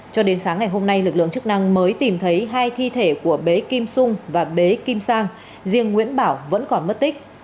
cho đến sáng ngày hôm nay lực lượng chức năng mới tìm thấy hai thi thể của bé kim sung và bế kim sang riêng nguyễn bảo vẫn còn mất tích